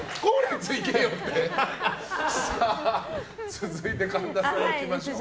続いて神田さん、いきましょう。